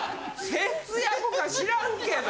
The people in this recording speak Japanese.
節約か知らんけど！